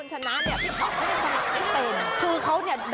โอ้โฮสุดยอด